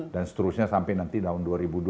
dan seterusnya sampai nanti tahun dua ribu dua puluh